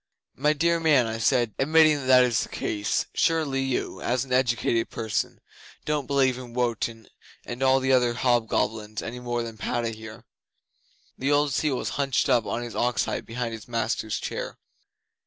'"My dear man," I said, "admitting that that is the case, surely you, as an educated person, don't believe in Wotan and all the other hobgoblins any more than Padda here?" The old seal was hunched up on his ox hide behind his master's chair.